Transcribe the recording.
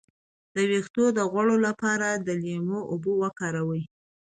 د ویښتو د غوړ لپاره د لیمو اوبه وکاروئ